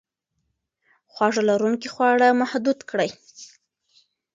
خواږه لرونکي خواړه محدود کړئ.